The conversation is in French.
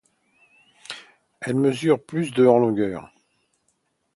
Elle mesure plus de en longueur.